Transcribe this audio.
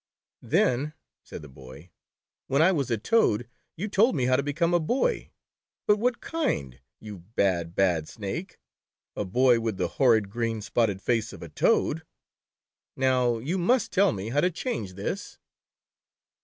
"Then," said the Boy, "when I was a Toad, you told me how to become a Boy — but what kind, you bad, bad Snake ? A boy with the horrid, green spotted face of a toad. Now, you must tell me how to change this."